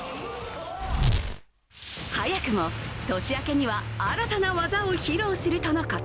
早くも年明けには新たな技を披露するとのこと。